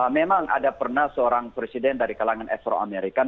memang ada pernah seorang presiden dari kalangan afro amerikan